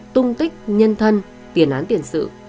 tung tích nhân thân tiền án tiền sự